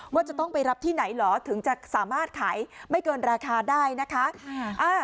ว่าจะต้องไปรับที่ไหนเหรอถึงจะสามารถขายไม่เกินราคาได้นะคะ